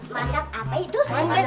mandap apa itu